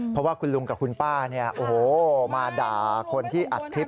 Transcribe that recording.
เพราะว่าคุณลุงกับคุณป้าเนี่ยโอ้โหมาด่าคนที่อัดคลิป